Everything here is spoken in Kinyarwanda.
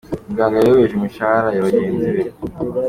Umuganga yayobeje imishahara ya bagenzi be